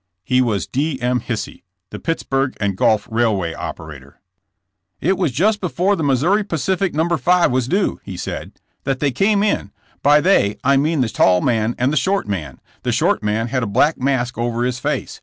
He was D. M. Hisey, the Pittsburg & Gulf railway operator. *'It was just before the Missouri Pacific No. 5 was due,*' he said, '*that they came in. By they I mean the tall man and the short man. The short man had a black mask over his face.